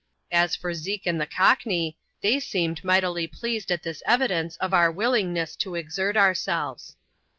As for Zeke and the Cockney, thejjseemed mightily pleased at this evidence of our willingness to exert ourselves.